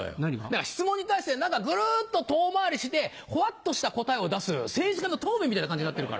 だから質問に対してグルっと遠回りしてホワっとした答えを出す政治家の答弁みたいな感じになってるから。